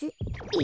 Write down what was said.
え？